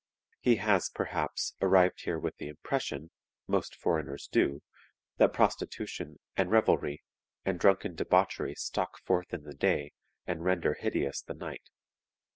He has, perhaps, arrived here with the impression most foreigners do that prostitution, and revelry, and drunken debauchery stalk forth in the day and render hideous the night.